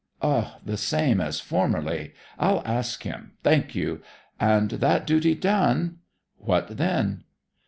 'O, the same as formerly. I'll ask him. Thank you. And that duty done ' 'What then?'